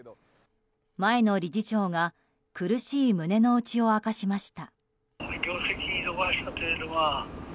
前の理事長が苦しい胸の内を明かしました。